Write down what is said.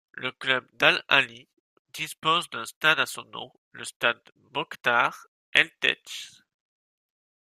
Le club d'Al Ahly dispose d'un stade à son nom, le Stade Mokhtar El-Tetsh.